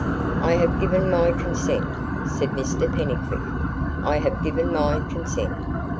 "I have given my consent," said Mr Pennycuick "I have given my consent.